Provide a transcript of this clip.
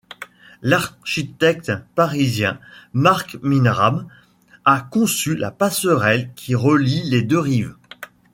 L'architecte parisien Marc Mimram a conçu la passerelle qui relie les deux rives.